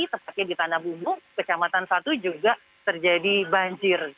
tepatnya di tanah bumbu kecamatan satu juga terjadi banjir